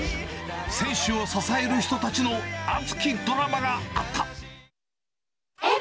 選手を支える人たちの熱きドラマがあった。